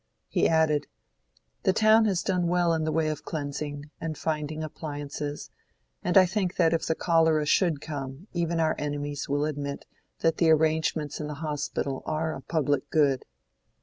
He added, "The town has done well in the way of cleansing, and finding appliances; and I think that if the cholera should come, even our enemies will admit that the arrangements in the Hospital are a public good."